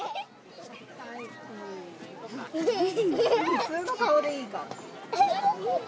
普通の顔でいいから。